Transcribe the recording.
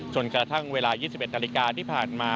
จนกระทั่งเวลา๒๑นาฬิกาที่ผ่านมา